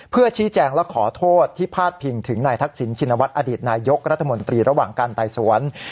เพื่อชี้แจงและขอโทษที่พาดพิงถึงนายทักษิณชินวัฒนอดีตนายกรัฐมนตรีระหว่างการไต่สวน